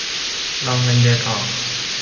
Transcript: รอเงินเดือนออก